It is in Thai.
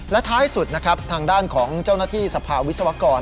และท้ายสุดนะครับทางด้านของเจ้าหน้าที่สภาวิศวกร